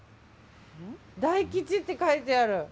大吉って書いてある。